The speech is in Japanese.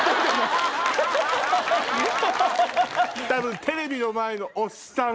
多分テレビの前のおっさん